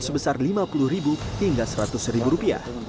sebesar rp lima puluh hingga rp seratus